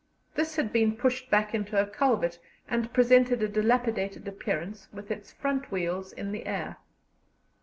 This had been pushed back into a culvert, and presented a dilapidated appearance, with its front wheels in the air.